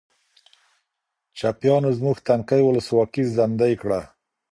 چپیانو زموږ تنکۍ ولسواکي زندۍ کړه.